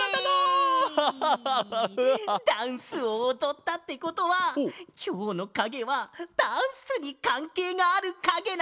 ダンスをおどったってことはきょうのかげはダンスにかんけいがあるかげなんだね？